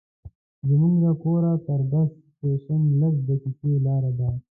زموږ له کوره تر بس سټېشن لس دقیقې لاره ده.